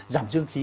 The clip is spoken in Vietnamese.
giảm dương khí